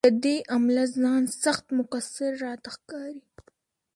له دې امله ځان سخت مقصر راته ښکاري.